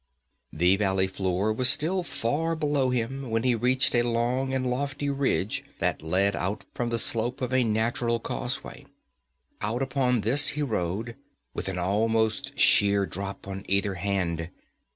The valley floor was still far below him when he reached a long and lofty ridge that led out from the slope like a natural causeway. Out upon this he rode, with an almost sheer drop on either hand.